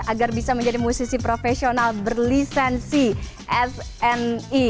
agar bisa menjadi musisi profesional berlisensi sni